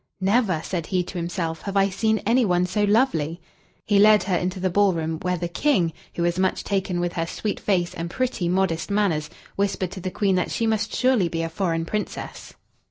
"Never," said he to himself, "have I seen anyone so lovely!" He led her into the ball room, where the King, who was much taken with her sweet face and pretty, modest manners, whispered to the Queen that she must surely be a foreign Princess.